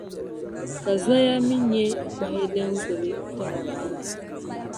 Ka zoya mi nyɛ kpahi din gbibi tiŋgbani.